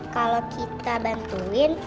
kalau kita bantuin